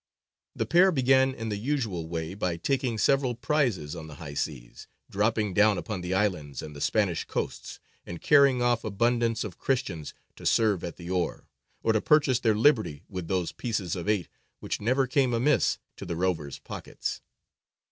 The pair began in the usual way by taking several prizes on the high seas, dropping down upon the islands and the Spanish coasts, and carrying off abundance of Christians to serve at the oar, or to purchase their liberty with those pieces of eight which never came amiss to the rover's pockets.